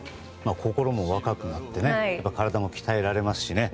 心も若くなって体も鍛えられますしね。